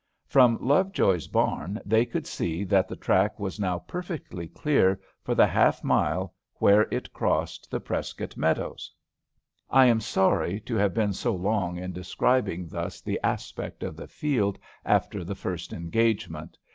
From Lovejoy's barn they could see that the track was now perfectly clear for the half mile where it crossed the Prescott meadows. I am sorry to have been so long in describing thus the aspect of the field after the first engagement.